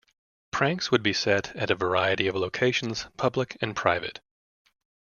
Pranks would be set at a variety of locations, public and private.